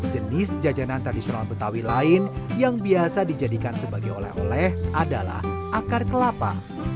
jenis jajanan tradisional betawi lain yang biasa dijadikan sebagai oleh oleh adalah akar kelapa